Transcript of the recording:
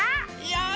よし。